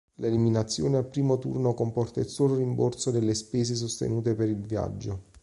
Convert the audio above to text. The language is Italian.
L'eliminazione al primo turno comporta il solo rimborso delle spese sostenute per il viaggio.